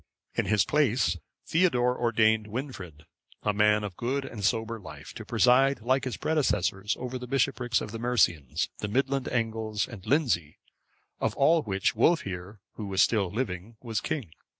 In his place, Theodore ordained Wynfrid,(555) a man of good and sober life, to preside, like his predecessors, over the bishoprics of the Mercians, the Midland Angles, and Lindsey, of all which, Wulfhere, who was still living, was king.